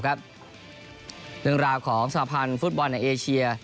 เรื่องราวของสหพันธ์ฟุตบอลในเอเชีย